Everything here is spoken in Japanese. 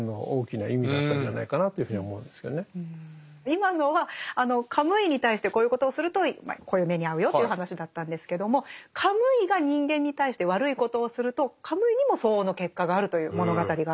今のはカムイに対してこういうことをするとこういう目に遭うよという話だったんですけどもカムイが人間に対して悪いことをするとカムイにも相応の結果があるという物語があるんですね。へ。